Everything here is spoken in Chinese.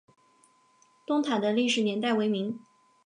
东塔的历史年代为明。